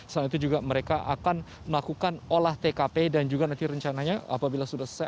selain itu juga mereka akan melakukan olah tkp dan juga nanti rencananya apabila sudah selesai